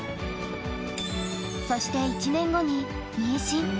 そして１年後に妊娠。